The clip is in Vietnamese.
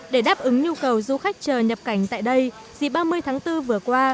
để đáp ứng nhu cầu du khách chờ nhập cảnh tại đây dịp ba mươi tháng bốn vừa qua